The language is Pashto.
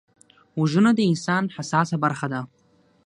غوږونه د انسان حساسه برخه ده